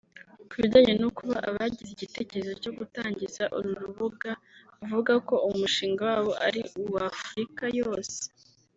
Ku bijyanye no kuba abagize igitekerezo cyo gutangiza uru rubuga bavuga ko umushinga wabo ari uw'Afrika yose